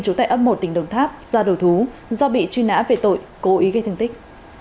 trú tại ấp một tỉnh đồng tháp ra đầu thú do bị truy nã về tội cố ý gây thương tích